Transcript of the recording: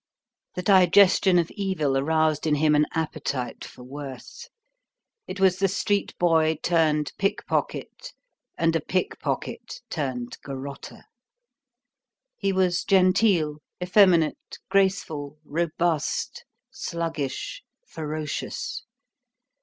The digestion of evil aroused in him an appetite for worse. It was the street boy turned pickpocket, and a pickpocket turned garroter. He was genteel, effeminate, graceful, robust, sluggish, ferocious.